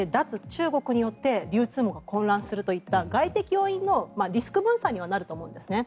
中国によって流通網が混乱するといった外的要因のリスク分散にはなると思うんですね。